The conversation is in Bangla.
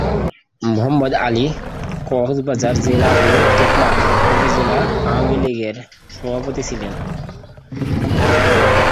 মোহাম্মদ আলী কক্সবাজার জেলা ও টেকনাফ উপজেলা আওয়ামী লীগের সভাপতি ছিলেন।